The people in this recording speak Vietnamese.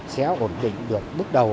sẽ ổn định được bước đầu